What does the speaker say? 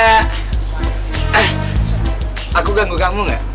eh aku ganggu kamu gak